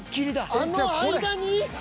あの間に？